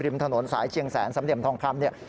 ริมถนนสายเชียงแสนสามเหลี่ยมทองคำ